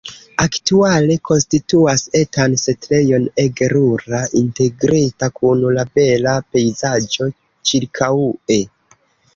Aktuale konstituas etan setlejon ege rura, integrita kun la bela pejzaĝo ĉirkaŭe.